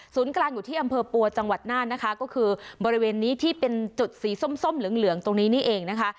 กลางอยู่ที่อำเภอปัวจังหวัดน่านนะคะก็คือบริเวณนี้ที่เป็นจุดสีส้มส้มเหลืองเหลืองตรงนี้นี่เองนะคะ